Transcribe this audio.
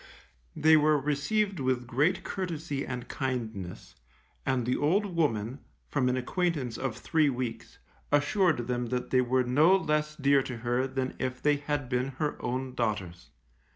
They were received with great courtesy and kindness, and the old woman, from an acquaintance of three weeks, assured them that they were no less dear to her than if they had been her own daughters.